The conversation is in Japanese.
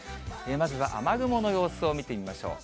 まずは雨雲の様子を見ていきましょう。